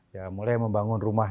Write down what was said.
ya mulai membangun rumah